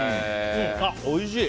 おいしい！